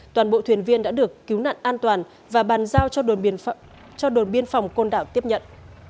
toàn bộ thuyền viên đã được cứu nạn an toàn và bàn giao cho đồn biên phòng côn đảo tiếp nhận